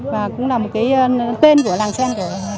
và cũng là một cái tên của làng sen